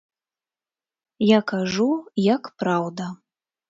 Я кажу, як праўда.